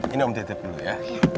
ini om titip dulu ya